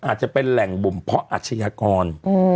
อาจจะเป็นแหล่งบุ่มเพาะอาชญากร